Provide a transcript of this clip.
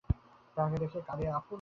তাঁহাকে দেখিয়া কাঁদিয়া আকুল হয়।